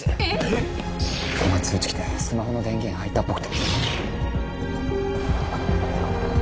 えっ⁉今通知来てスマホの電源入ったっぽくて。